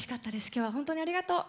今日は本当にありがとう。